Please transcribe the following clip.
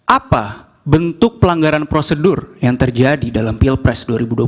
apa bentuk pelanggaran prosedur yang terjadi dalam pilpres dua ribu dua puluh empat